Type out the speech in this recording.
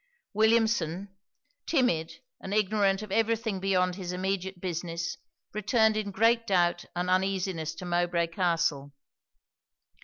Williamson, timid and ignorant of every thing beyond his immediate business, returned in great doubt and uneasiness to Mowbray Castle.